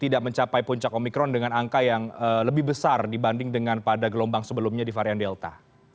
tidak mencapai puncak omikron dengan angka yang lebih besar dibanding dengan pada gelombang sebelumnya di varian delta